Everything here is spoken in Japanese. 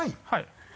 はい。